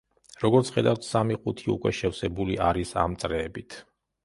როგორც ხედავთ, სამი ყუთი უკვე შევსებული არის ამ წრეებით.